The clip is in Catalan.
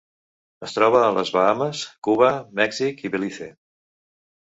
Es troba a les Bahames, Cuba, Mèxic i Belize.